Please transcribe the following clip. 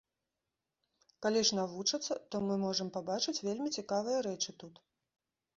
Калі ж навучацца, то мы можам пабачыць вельмі цікавыя рэчы тут.